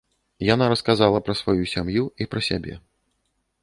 Яна расказала пра сваю сям'ю і пра сябе.